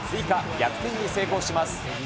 逆転に成功します。